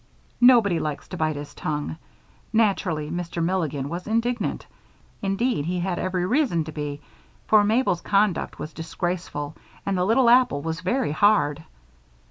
Nobody likes to bite his tongue. Naturally Mr. Milligan was indignant; indeed, he had every reason to be, for Mabel's conduct was disgraceful and the little apple was very hard.